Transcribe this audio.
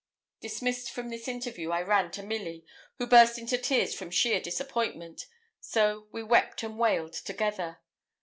Dismissed from this interview, I ran to Milly, who burst into tears from sheer disappointment, so we wept and wailed together.